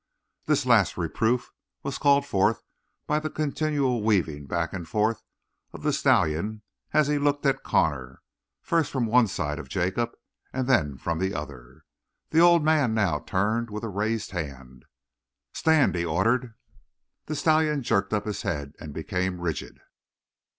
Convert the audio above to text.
This last reproof was called forth by the continual weaving back and forth of the stallion as he looked at Connor, first from one side of Jacob and then from the other. The old man now turned with a raised hand. "Stand!" he ordered. The stallion jerked up his head and became rigid.